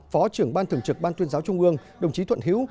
phó trưởng ban thường trực ban tuyên giáo trung mương đồng chí thuận hiếu